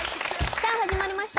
さあ始まりました